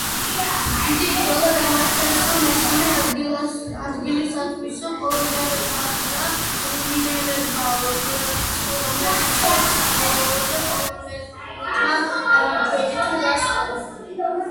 დიდი ბრძოლა გამართეს მესამე ადგილისათვის პოლონელებმა და რუმინელებმა, რომელიც საბოლოოდ პოლონელთა გამარჯვებით დასრულდა.